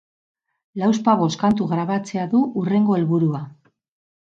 Lauzpabost kantu grabatzea du hurrengo helburua.